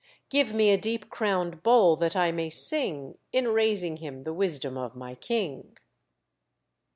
Give me a deep crowned bowl, that I may sing, In raising him, the wisdom of my king."